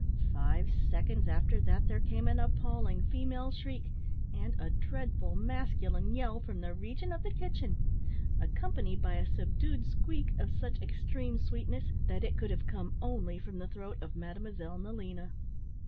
Five seconds after that there came an appalling female shriek, and a dreadful masculine yell, from the region of the kitchen, accompanied by a subdued squeak of such extreme sweetness, that it could have come only from the throat of Mademoiselle Nelina.